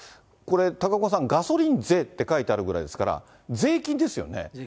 これ、高岡さん、ガソリン税って書いてあるぐらいですから、税金ですよね。